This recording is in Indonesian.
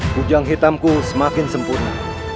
kujang hitamku semakin sempurna